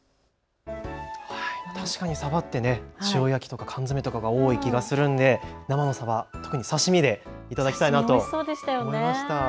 確かにサバって塩焼きとか缶詰とかが多い気がするんで生のサバ、特に刺身で頂きたいなと思いました。